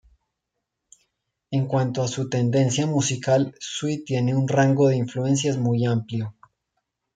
En cuanto a su tendencia musical Suite tiene un rango de influencias muy amplio.